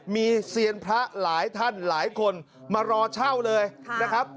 มีเซียนพระหลายท่านหลายคนมารอเช่าเลยนะครับ